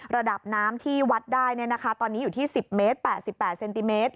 ระดับน้ำที่วัดได้ตอนนี้อยู่ที่๑๐เมตร๘๘เซนติเมตร